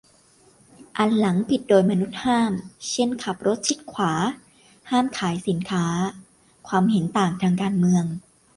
อันหลัง ผิดโดยมนุษย์ห้าม เช่น ขับรถชิดขวา ห้ามขายสินค้า ความเห็นต่างทางการเมือง